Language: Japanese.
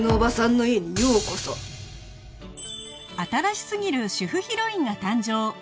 新しすぎる主婦ヒロインが誕生